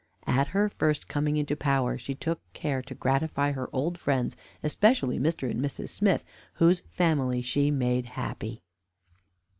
At her first coming into power, she took care to gratify her old friends, especially Mr. and Mrs. Smith, whose family she made happy.